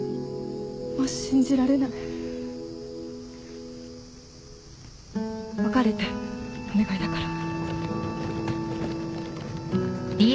もう信じられない別れてお願いだから